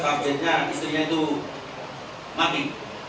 targetnya istrinya itu mati